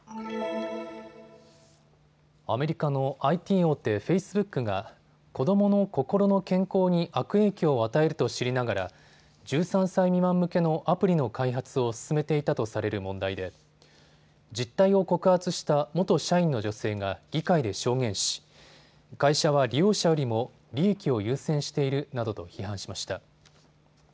アメリカのＩＴ大手、フェイスブックが子どもの心の健康に悪影響を与えると知りながら１３歳未満向けのアプリの開発を進めていたとされる問題で実態を告発した元社員の女性が議会で証言し会社は利用者よりも利益を優先しているなどと批判しました。